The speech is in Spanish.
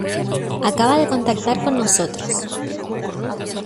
acaba de contactar con nosotros.